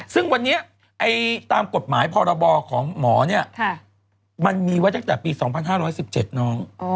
ซึ่งวันนี้ตามกฎหมายพรบของหมอเนี่ยมันมีไว้ตั้งแต่ปี๒๕๑๗น้อง